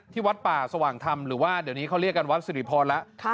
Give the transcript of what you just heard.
วัดป่าสว่างธรรมหรือว่าเดี๋ยวนี้เขาเรียกกันวัดสิริพรแล้ว